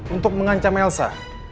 untuk mengancam elsa